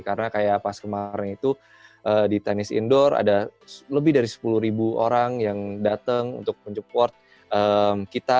karena kayak pas kemarin itu di tenis indoor ada lebih dari sepuluh ribu orang yang datang untuk mencukup kita